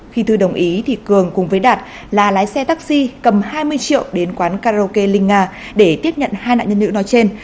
khi thư đồng ý thì cường cùng với đạt là lái xe taxi cầm hai mươi triệu đến quán karaoke linh nga để tiếp nhận hai nạn nhân nữ nói trên